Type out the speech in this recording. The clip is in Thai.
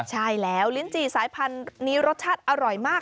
ใช่แล้วลิ้นจี่สายพันธุ์นี้รสชาติอร่อยมาก